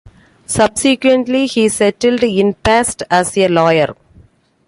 Subsequently he settled in Pest as a lawyer.